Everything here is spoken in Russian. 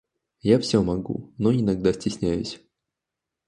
Я всё могу, но иногда стесняюсь.